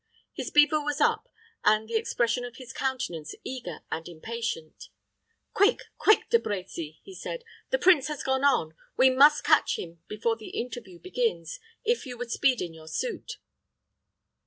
His beaver was up, and the expression of his countenance eager and impatient. "Quick, quick, De Brecy," he said. "The prince has gone on. We must catch him before the interview begins, if you would speed in your suit."